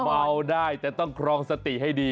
เมาได้แต่ต้องครองสติให้ดี